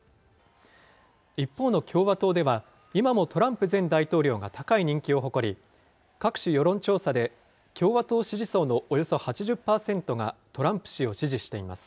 一方の共和党では、今もトランプ前大統領が高い人気を誇り、各種世論調査で、共和党支持層のおよそ８０％がトランプ氏を支持しています。